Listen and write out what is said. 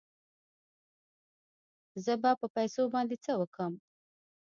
زه به په پيسو باندې څه وکم.